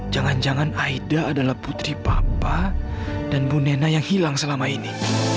jangan jangan aida adalah putri papa dan bu nena yang hilang selama ini